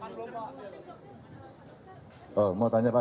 kalau misalnya kita mampu dan tidak mampu nantinya ya pak ya